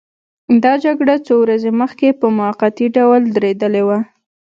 دا جګړه څو ورځې مخکې په موقتي ډول درېدلې وه.